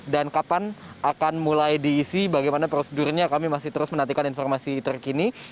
dan kapan akan mulai diisi bagaimana prosedurnya kami masih terus menantikan informasi terkini